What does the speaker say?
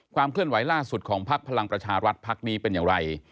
เคลื่อนไหวล่าสุดของพักพลังประชารัฐพักนี้เป็นอย่างไร